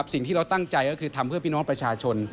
สิ่งที่เราตั้งใจก็คือทำเพื่อพี่น้องประชาชน